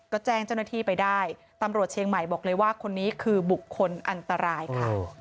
ก็แจ้งเจ้าหน้าที่ไปได้ตำรวจเชียงใหม่บอกเลยว่าคนนี้คือบุคคลอันตรายค่ะ